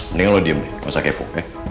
mending lo diem deh gak usah kepo